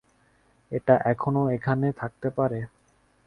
এটা এখনও এখানে থাকতে পারে।